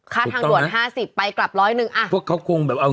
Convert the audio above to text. ค่าทางด่วน๕๐ไปกลับร้อยหนึ่ง